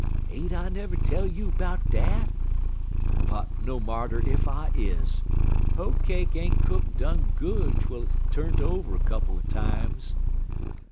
Ain't I never tell you 'bout dat? But no marter ef I is. Hoe cake ain't cook done good twel hit's turnt over a couple er times.